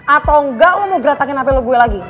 atau enggak lo mau gretakin hp lo gue lagi